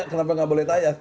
kenapa enggak boleh tanya